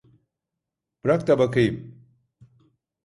Bırak da bakayım.